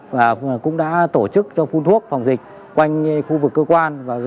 và cũng đã tổ chức cho phun thuốc phòng dịch quanh khu vực cơ quan